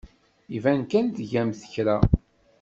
Iban kan tgamt kra.